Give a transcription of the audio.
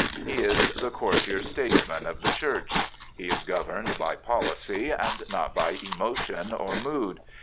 He is the courtier statesman of the Church. He is governed by policy, and not by emotion or mood.